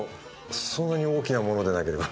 そんな大きなものでなければ。